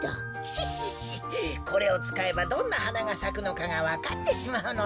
シッシッシこれをつかえばどんなはながさくのかがわかってしまうのだ。